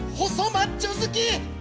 マッチョ好き！？